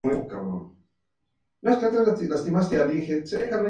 Interpreta un repertorio folklórico argentino.